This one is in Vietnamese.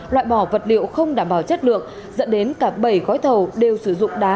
loại bỏ vật liệu không đảm bảo chất lượng dẫn đến cả bảy gói thầu đều sử dụng đá